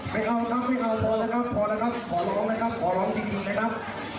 ไม่เอาครับไม่เอาพอแล้วครับพอแล้วครับขอร้องนะครับขอร้องจริงนะครับ